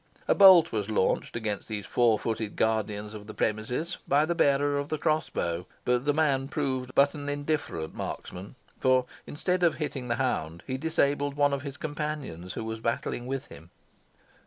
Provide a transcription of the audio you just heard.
A bolt was launched against these four footed guardians of the premises by the bearer of the crossbow, but the man proved but an indifferent marksman, for, instead of hitting the hound, he disabled one of his companions who was battling with him.